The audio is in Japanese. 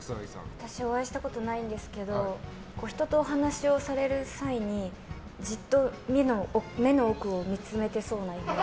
私、お会いしたことないんですけど人とお話をされる際にじっと目の奥を見つめてそうなイメージ。